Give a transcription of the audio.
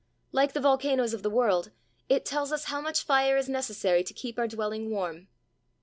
Like the volcanoes of the world, it tells us how much fire is necessary to keep our dwelling warm."